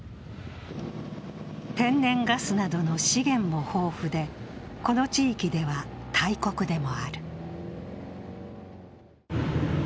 天然ガスなどの資源も豊富でこの地域では大国でもある。